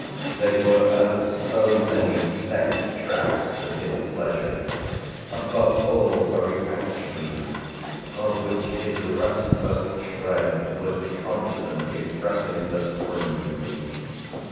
They were as so many set traps for displeasure, above all for reaction, of which his restless tread was constantly pressing the spring.